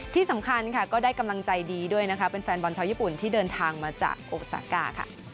ที่สำคัญค่ะก็ได้กำลังใจดีด้วยนะคะเป็นแฟนบอลชาวญี่ปุ่นที่เดินทางมาจากโอซากาค่ะ